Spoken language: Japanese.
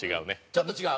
ちょっと違う。